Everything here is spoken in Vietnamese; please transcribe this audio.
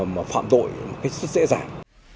mà phạm đội rất dễ dàng